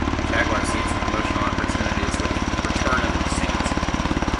Jaguar seized promotional opportunities with "Return of the Saint".